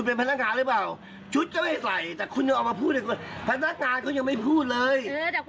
เออเดี๋ยวคุณอยากให้เดี๋ยวมึงได้ดังเลย